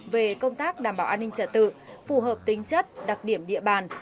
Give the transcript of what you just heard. về công tác đảm bảo an ninh trả tự phù hợp tính chất đặc điểm địa bàn